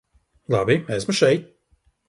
Labi, esmu šeit.